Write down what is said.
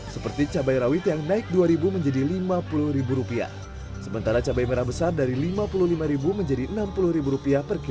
seperti cabai rawit yang naik rp dua menjadi rp lima puluh